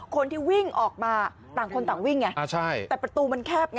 คนที่วิ่งออกมาต่างคนต่างวิ่งไงแต่ประตูมันแคบไง